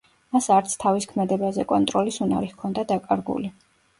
მას არც თავის ქმედებაზე კონტროლის უნარი ჰქონდა დაკარგული.